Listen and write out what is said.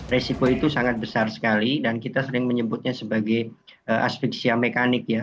resiko itu sangat besar sekali dan kita sering menyebutnya sebagai aspek sia mekanik ya